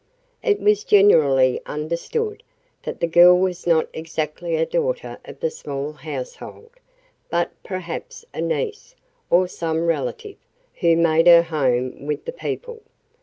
It was generally understood that the girl was not exactly a daughter of the small household, but perhaps a niece, or some relative, who made her home with the people.